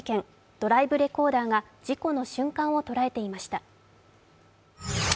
ドライブレコーダーが事故の瞬間を捉えていました。